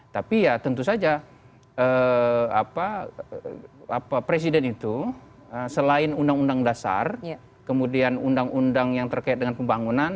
tapi ya tentu saja presiden itu selain undang undang dasar kemudian undang undang yang terkait dengan pembangunan